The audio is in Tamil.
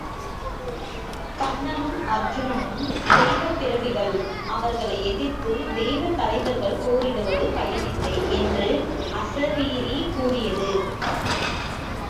கண்ணனும் அருச்சுனனும் தெய்வப்பிறவிகள் அவர்களை எதிர்த்து தெய்வத் தலைவர்கள் போரிடுவது பயன் இல்லை என்று அசரீரி கூறியது.